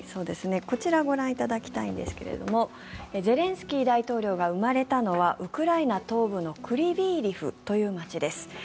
こちらをご覧いただきたいんですがゼレンスキー大統領が生まれたのはウクライナ東部のクリヴィーリフという街です。